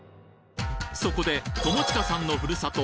そこで友近さんのふるさと